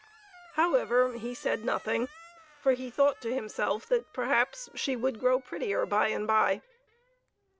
However, he said nothing, for he thought to himself that perhaps she would grow prettier by and by.